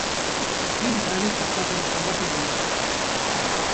Эппин, паянах ҫакна пурнӑҫлама тытӑнӑр!